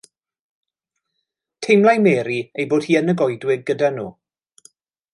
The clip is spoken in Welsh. Teimlai Mary ei bod hi yn y goedwig gyda nhw.